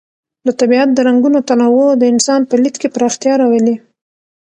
د طبیعت د رنګونو تنوع د انسان په لید کې پراختیا راولي.